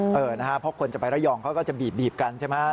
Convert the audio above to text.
เพราะคนจะไประยองเขาก็จะบีบกันใช่ไหม